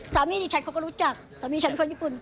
ตัวมีดิฉันเข้ารู้จักตัวมีดิฉันคนญี่ปุ่น